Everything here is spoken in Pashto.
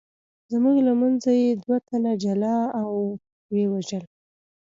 زموږ له منځه یې دوه تنه جلا او ویې وژل.